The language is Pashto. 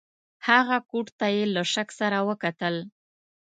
هغه کوټ ته یې له شک سره وکتل.